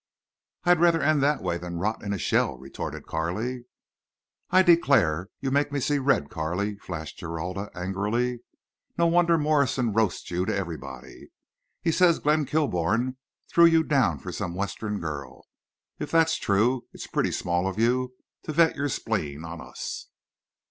"I'd rather end that way than rot in a shell," retorted Carley. "I declare, you make me see red, Carley," flashed Geralda, angrily. "No wonder Morrison roasts you to everybody. He says Glenn Kilbourne threw you down for some Western girl. If that's true it's pretty small of you to vent your spleen on us."